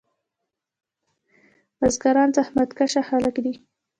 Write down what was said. بزګران زحمت کشه خلک دي.